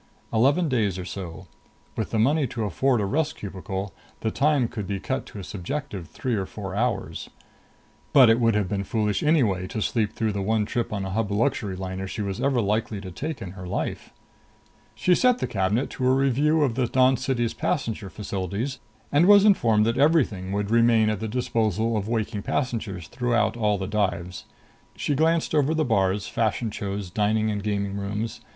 Eleven days or so. With the money to afford a rest cubicle, the time could be cut to a subjective three or four hours. But it would have been foolish anyway to sleep through the one trip on a Hub luxury liner she was ever likely to take in her life. She set the cabinet to a review of the Dawn City's passenger facilities, and was informed that everything would remain at the disposal of waking passengers throughout all dives. She glanced over bars, fashion shows, dining and gaming rooms.